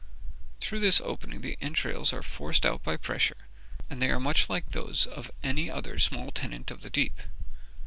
Through this opening the entrails are forced out by pressure, and they are much like those of any other small tenant of the deep.